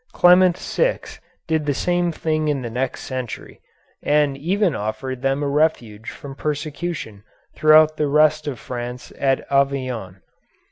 Clement VI did the same thing in the next century, and even offered them a refuge from persecution throughout the rest of France at Avignon.